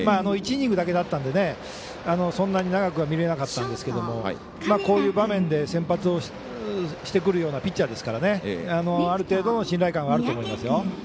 １イニングだけだったんでそんなに長くは見れなかったんですけどこういう場面で先発をしてくるようなピッチャーですからある程度、信頼感はあると思います。